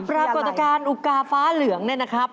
ปรากฏการณ์อุกาฟ้าเหลืองเนี่ยนะครับ